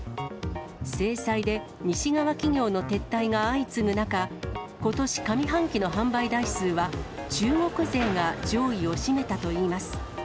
制裁で、西側企業の撤退が相次ぐ中、ことし上半期の販売台数は、中国勢が上位を占めたといいます。